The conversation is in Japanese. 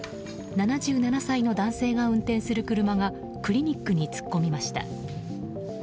７７歳の男性が運転する車がクリニックに突っ込みました。